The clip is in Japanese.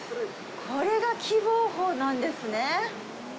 これが喜望峰なんですね。